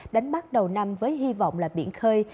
đánh bắt đầu năm với hy vọng là biển khơi